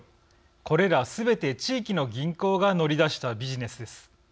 これら、すべて地域の銀行が乗り出したビジネスです。